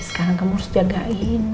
sekarang kamu harus jagain